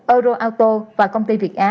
euroauto và công ty việt á